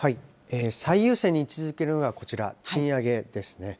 最優先に位置づけるのはこちら、賃上げですね。